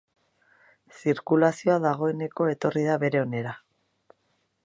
Zirkulazioa dagoeneko etorri da bere onera.